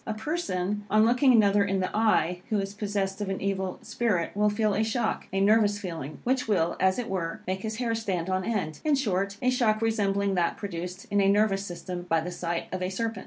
A person, on looking another in the eye, who is possessed of an evil spirit, will feel a shock a nervous feeling, which will, as it were, make his hair stand on end; in short, a shock resembling that produced in a nervous system by the sight of a serpent.